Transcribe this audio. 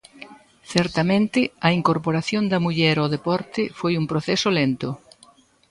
Certamente, a incorporación da muller ao deporte foi un proceso lento.